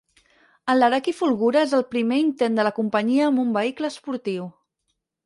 El Laraki Fulgura és el primer intent de la companyia amb un vehicle esportiu.